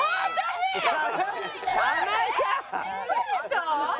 ウソでしょ？